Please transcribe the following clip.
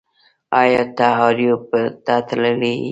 ایا ته اریوب ته تللی یې